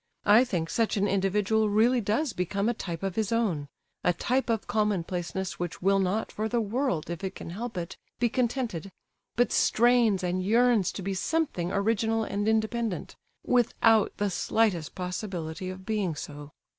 I think such an individual really does become a type of his own—a type of commonplaceness which will not for the world, if it can help it, be contented, but strains and yearns to be something original and independent, without the slightest possibility of being so.